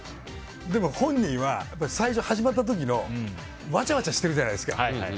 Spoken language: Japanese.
でも、本人は最初始まった時のわちゃわちゃしてるじゃないですか。